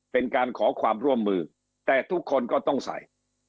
เป็นการขอความร่วมมือแต่ทุกคนก็ต้องใส่